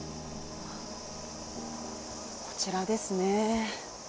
こちらですね。